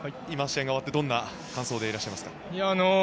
今、試合が終わってどんな感想でいらっしゃいますか。